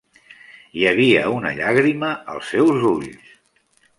Hi havia una llàgrima als seus ulls.